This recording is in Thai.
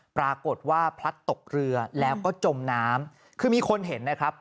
ปรากฏว่าพลัดตกเรือแล้วก็จมน้ำคือมีคนเห็นนะครับ